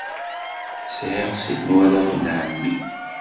Sɛiɣ sin n warraw n ɛemmi.